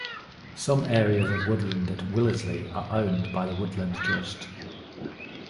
Some areas of woodland at Willesley are owned by the Woodland Trust.